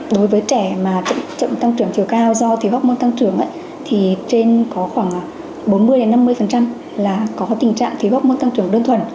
đối với trẻ mà chậm tăng trưởng chiều cao do thiếu hốc môn tăng trưởng thì trên có khoảng bốn mươi năm mươi là có tình trạng thiếu hốc môn tăng trưởng đơn thuần